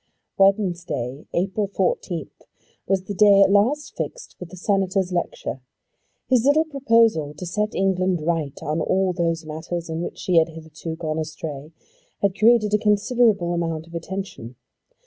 Wednesday, April 14th, was the day at last fixed for the Senator's lecture. His little proposal to set England right on all those matters in which she had hitherto gone astray had created a considerable amount of attention.